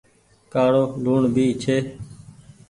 ڪآڙو لوڻ ڀي ڇي۔